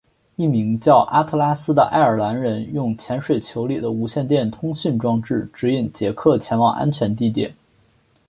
一名叫阿特拉斯的爱尔兰人用潜水球里的无线电通信装置指引杰克前往安全地点。